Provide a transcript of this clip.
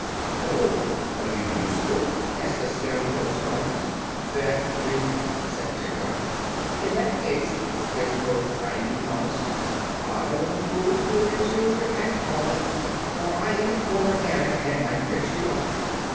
"Oh! are you useful?" asked the Scarecrow, surprised. "Ve ry," said Tiktok. "In that case," the Scarecrow kindly promised, "I won't fool with your interior at all. For I am a poor mechanic, and might mix you up."